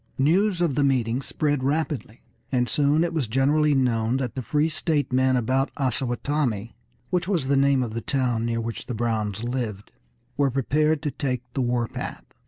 News of the meeting spread rapidly, and soon it was generally known that the free state men about Osawatomie, which was the name of the town near which the Browns lived, were prepared to take the war path.